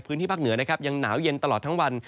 พื้นที่ภาคเหนือนะครับยังหนาวเย็นตลอดทั้งวัน